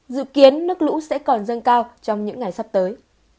dự kiến nước lũ sẽ còn dâng cao trong những ngày sắp tới